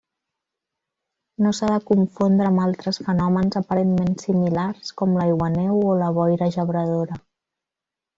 No s'ha de confondre amb altres fenòmens aparentment similars com l'aiguaneu o la boira gebradora.